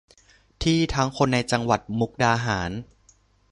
ที่ทั้งคนในจังหวัดมุกดาหาร